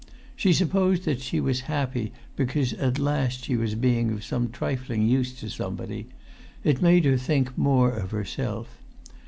She supposed that she was happy because at last she was being of some trifling use to somebody; it made her think more of herself.